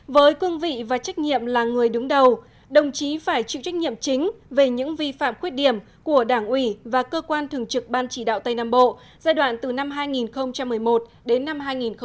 với cương vị và trách nhiệm là người đứng đầu đồng chí phải chịu trách nhiệm chính về những vi phạm khuyết điểm của đảng ủy và cơ quan thường trực ban chỉ đạo tây nam bộ giai đoạn từ năm hai nghìn một mươi một đến năm hai nghìn một mươi tám